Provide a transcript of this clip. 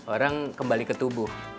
orang kembali ke tubuh